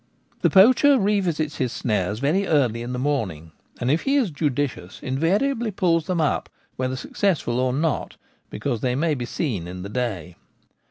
The poacher revisits his snares very early in the morning, and if he is judicious invariably pulls them up, whether successful or not, because they may be seen in the day.